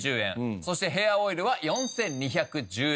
そしてヘアオイルは４２１０円。